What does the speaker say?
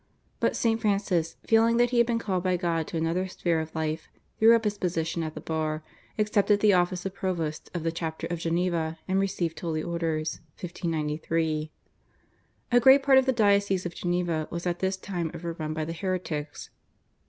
But St. Francis, feeling that he had been called by God to another sphere of life, threw up his position at the bar, accepted the office of provost of the chapter of Geneva, and received Holy Orders (1593). A great part of the diocese of Geneva was at this time overrun by the heretics.